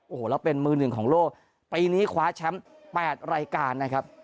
โอ้โหแล้วเป็นมือหนึ่งของโลกปีนี้คว้าแชมป์๘รายการนะครับ